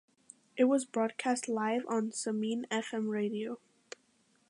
It was broadcast live on Zamin Fm radio.